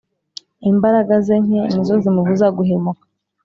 imbaraga ze nke ni zo zimubuza guhemuka,